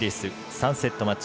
３セットマッチ